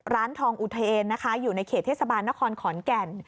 ร้านทองอุเทนนะคะอยู่ในเขตเทศบาลนครขอนแก่น